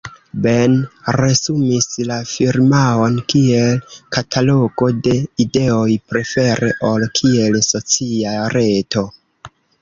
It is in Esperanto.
Ben resumis la firmaon kiel "katalogo de ideoj", prefere ol kiel socia reto.